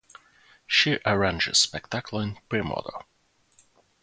Ŝi aranĝis spektaklojn pri modo.